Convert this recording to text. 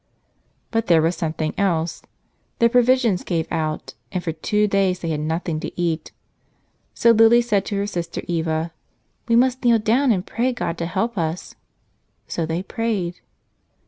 But there was something else. Their provisions gave out and for two days they had nothing to eat. So Lily said to her sister Eva : "We must kneel down and pray God to help us." So they prayed.